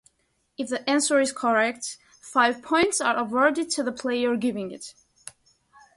If the answer is correct, five points are awarded to the player giving it.